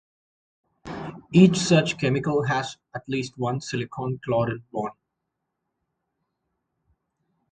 Each such chemical has at least one silicon-chlorine bond.